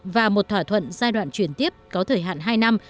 và một thỏa thuận giai đoạn chuyển tiếp có thời hạn hai năm